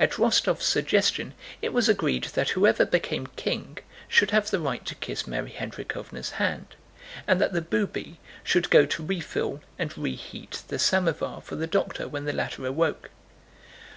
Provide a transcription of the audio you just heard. At Rostóv's suggestion it was agreed that whoever became "King" should have the right to kiss Mary Hendríkhovna's hand, and that the "Booby" should go to refill and reheat the samovar for the doctor when the latter awoke.